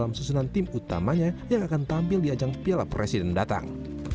dalam susunan tim utamanya yang akan tampil di ajang piala presiden datang